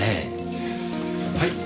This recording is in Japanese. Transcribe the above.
はい。